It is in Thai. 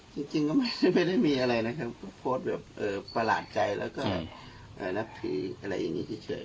จริงก็ไม่ได้มีอะไรนะครับโพสต์แบบประหลาดใจแล้วก็นับถืออะไรอย่างนี้เฉย